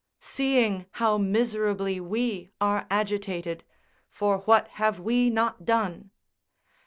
Seeing how miserably we are agitated (for what have we not done!)